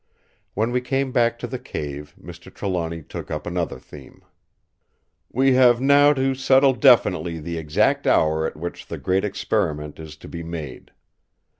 When we came back to the cave, Mr. Trelawny took up another theme: "We have now to settle definitely the exact hour at which the Great Experiment is to be made.